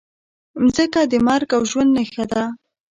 مځکه د مرګ او ژوند نښه ده.